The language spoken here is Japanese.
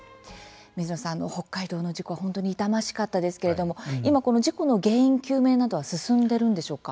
水野さん、北海道の事故は本当に痛ましかったですけれども今、この事故の原因究明などは進んでるんでしょうか？